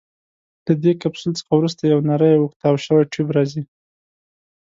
له دې کپسول څخه وروسته یو نیری اوږد تاو شوی ټیوب راځي.